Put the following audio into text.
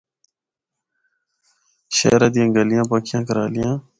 شہرا دیاں گلیاں پکیاں کرالیاں۔